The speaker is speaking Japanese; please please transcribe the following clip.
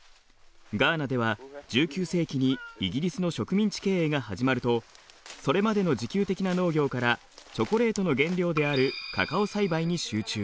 ガーナでは１９世紀にイギリスの植民地経営が始まるとそれまでの自給的な農業からチョコレートの原料であるカカオ栽培に集中。